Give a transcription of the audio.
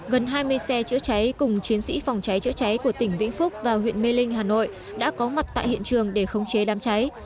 gần hai mươi xe chữa cháy cùng chiến sĩ phòng cháy chữa cháy của tỉnh vĩnh phúc và huyện mê linh hà nội đã có mặt tại hiện trường để khống chế đám cháy